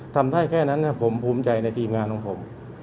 ทำได้แค่นั้นผมภูมิใจในทีมงานของผม